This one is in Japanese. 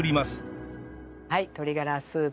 はい鶏がらスープ。